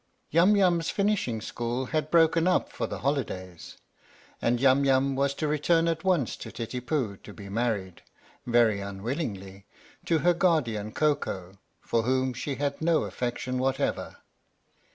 UM YUM'S Finishing School had broken up for the holidays, and Yum Yum was to return at once to Titipu to be married, very unwillingly, to her guardian Koko, for whom she had no affection whatever.